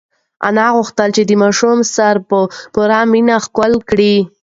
انا غوښتل چې د ماشوم سر په پوره مینه ښکل کړي.